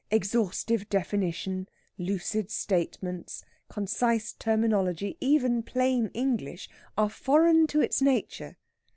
Exhaustive definition, lucid statements, concise terminology even plain English are foreign to its nature.